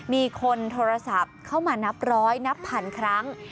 มีคนโทรศัพท์เข้ามานับร้อยนับพันครั้ง